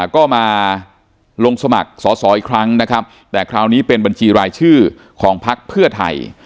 ก็มาลงสมัครสอสออีกครั้งนะครับแต่คราวนี้เป็นบัญชีรายชื่อของพักเพื่อไทย